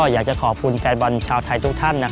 อยากจะขอบคุณแฟนบอลชาวไทยทุกท่าน